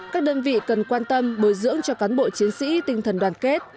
các đơn vị cần quan tâm bồi dưỡng cho cán bộ chiến sĩ tinh thần đoàn kết